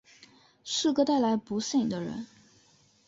是个带来不幸的人